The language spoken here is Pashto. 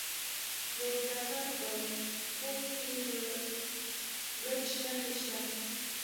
د ننګرهار په کوټ کې د ګچ نښې شته.